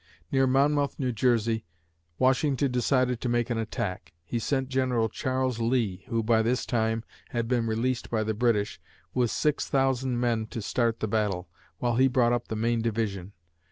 Near Monmouth, New Jersey, Washington decided to make an attack. He sent General Charles Lee (who, by this time, had been released by the British) with six thousand men to start the battle, while he brought up the main division.